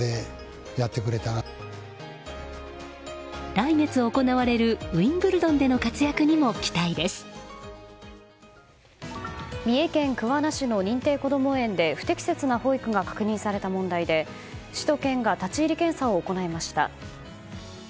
来月行われるウィンブルドンでの活躍にも三重県桑名市の認定こども園で不適切な保育が確認された問題で市と県が立ち入り検査を行いました。